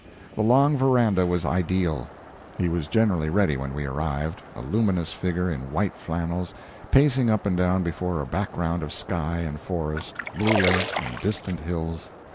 The long veranda was ideal. He was generally ready when we arrived, a luminous figure in white flannels, pacing up and down before a background of sky and forest, blue lake, and distant hills.